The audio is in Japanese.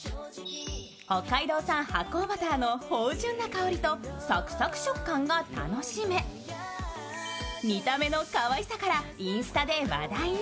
北海道産発酵バターの芳じゅんな香りとサクサク食感が楽しめ、見た目のかわいさからインスタで話題に。